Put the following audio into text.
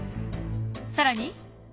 更に。